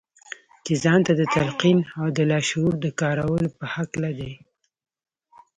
چې ځان ته د تلقين او د لاشعور د کارولو په هکله دي.